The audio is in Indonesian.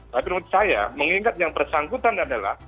tapi menurut saya mengingat yang bersangkutan adalah